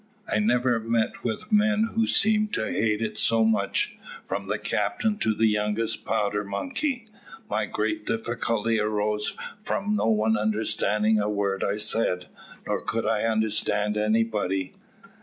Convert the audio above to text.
I never met with men who seemed to hate it so much, from the captain to the youngest powder monkey. My great difficulty arose from no one understanding a word I said, nor could I understand anybody.